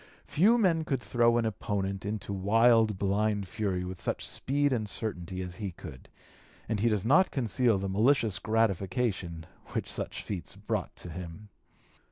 Few men could throw an opponent into wild blind fury with such speed and certainty as he could; and he does not conceal the malicious gratification which such feats brought to him.